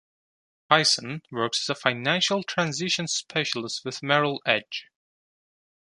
Hyson works as a financial transition specialist with Merrill Edge.